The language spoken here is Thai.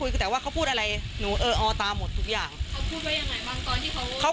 แต่ว่าเขาพูดอะไรหนูเอออตาหมดทุกอย่างเขาพูดว่ายังไงบ้างตอนที่เขาเขา